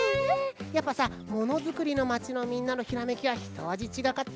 やっぱさものづくりのまちのみんなのひらめきはひとあじちがかったよ。